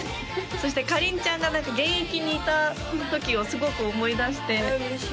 そしてかりんちゃんが何か現役にいたときをすごく思い出してえ嬉しい